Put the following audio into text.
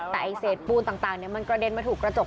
แต่ไอ้เศษปูนต่างมันกระเด็นมาถูกกระจก